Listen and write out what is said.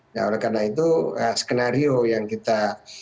nah oleh karena itu skenario yang kita